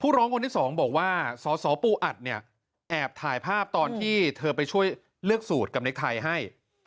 ร้องคนที่สองบอกว่าสสปูอัดเนี่ยแอบถ่ายภาพตอนที่เธอไปช่วยเลือกสูตรกับในไทยให้